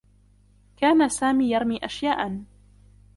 كان سامي يرمي أشياءا.